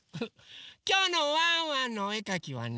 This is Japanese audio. きょうのワンワンのおえかきはね